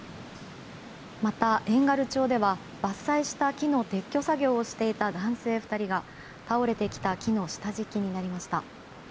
また遠軽町では伐採した木の撤去作業をしていた男性２人が、倒れてきた木の下敷きになりました。